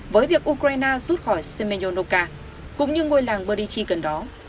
với việc ukraine rút khỏi semyonovka cũng như ngôi làng berichy gần đó